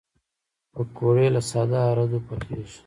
پکورې له ساده آردو پخېږي